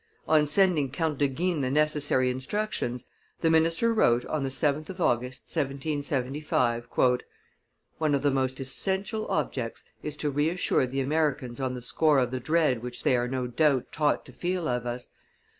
On sending Count de Guines the necessary instructions, the minister wrote on the 7th of August, 1775: "One of the most essential objects is to reassure the Americans on the score of the dread which they are no doubt taught to feel of us.